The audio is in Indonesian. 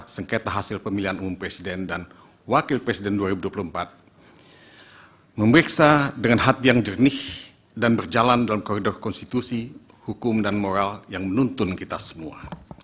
saya berkisah dengan hati yang jernih dan berjalan dalam koridor konstitusi hukum dan moral yang menuntun kita semua